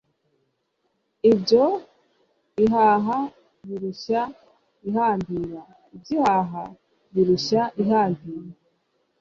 ibyo ihaha birushya ihambira. [iby'ihaha birushya ihambira.